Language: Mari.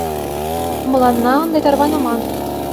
Мыланна ынде тарваныман.